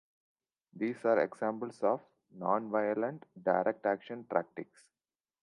These are examples of "non violent direct action tactics".